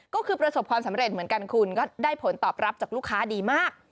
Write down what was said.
ก็คือประสบความสำเร็จเหมือนกันคุณก็ได้ผลตอบรับจากลูกค้าดีมาก